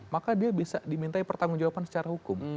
maka dia bisa dimintai pertanggung jawaban secara hukum